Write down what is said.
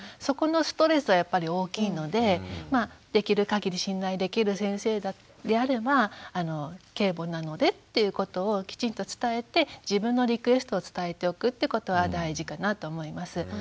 そこのストレスはやっぱり大きいのでできるかぎり信頼できる先生であれば継母なのでっていうことをきちんと伝えて自分のリクエストを伝えておくってことは大事かなと思います。